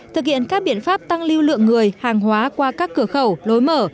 thực hiện các biện pháp tăng lưu lượng người hàng hóa qua các cửa khẩu lối mở